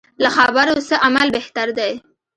له خبرو څه عمل بهتر دی.